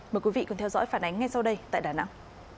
mời quý vị cùng theo dõi phản ánh ngay sau đây tại đà nẵng